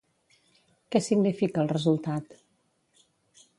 Què significa el resultat?